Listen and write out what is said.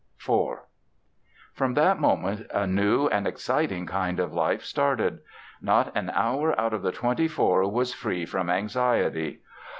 IV From that moment a new and exciting kind of life started. Not an hour out of the twenty four was free from anxiety.